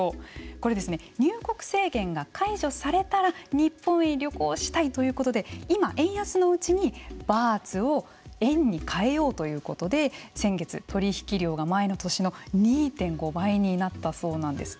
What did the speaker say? これ、入国制限が解除されたら日本へ旅行したいということで今、円安のうちにバーツを円に替えようということで先月取引量が前の年の２．５倍になったそうなんです。